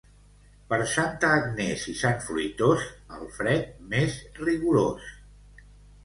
Per Santa Agnès i Sant Fruitós, el fred més rigorós.